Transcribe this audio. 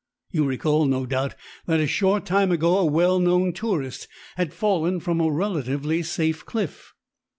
You recall, no doubt, that a short time ago a well known tourist had fallen from a relatively safe cliff.